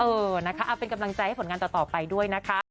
เออนะคะเอาเป็นกำลังใจให้ผลงานต่อไปด้วยนะคะ